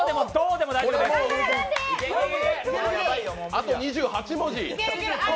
あと２８文字。